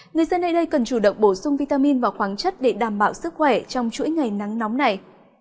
người dân nơi đây cần chủ động bổ sung vitamin và khoáng chất để đảm bảo sức khỏe trong chuỗi ngày nắng nóng này